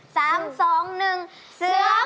เสือโคลาฮัง